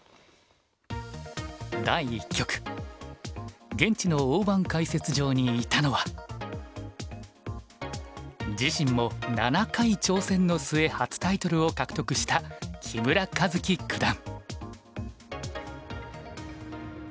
第１局現地の大盤解説場に居たのは自身も７回挑戦の末初タイトルを獲得した木村一基九段。